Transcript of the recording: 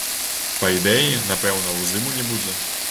Па ідэі, напэўна ўздыму не будзе.